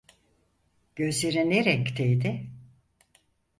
Gözleri ne renkteydi?